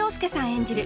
演じる